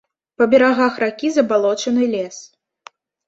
Па берагах ракі забалочаны лес.